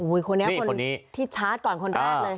อุ้ยคนนี้ที่ชาร์จก่อนคนแรกเลย